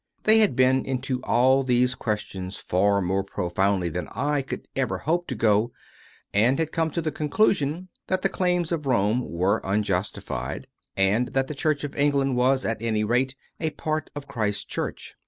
They had been into all these questions far more profoundly than I could ever hope to go, and had come to the conclusion that the claims of Rome were unjustified, and that the Church of England was, at any rate, a part of Christ s Church.